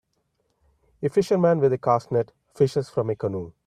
A fisherman with a cast net fishes from a canoe.